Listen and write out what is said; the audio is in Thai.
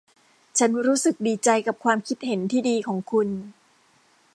ฉันรู้สึกดีใจกับความคิดเห็นที่ดีของคุณ